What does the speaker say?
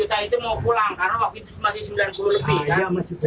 karena waktu itu masih sembilan puluh rupiah